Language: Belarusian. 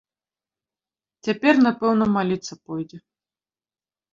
Цяпер, напэўна, маліцца пойдзе!